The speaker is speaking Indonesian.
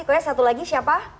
koes satu lagi siapa